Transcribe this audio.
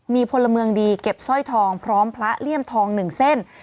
มีพลเมืองดีเก็บสร้อยทองพร้อมพระเลี่ยมทอง๑เส้น